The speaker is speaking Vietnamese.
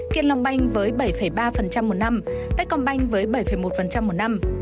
kiên long bank với bảy ba một năm tết công bank với bảy một một năm